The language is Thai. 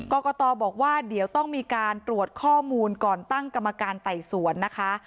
กรกตบอกว่าเดี๋ยวต้องมีการตรวจข้อมูลก่อนตั้งกรรมการไต่สวนนะคะ